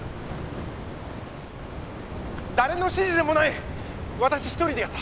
誰の指示でもない私一人でやった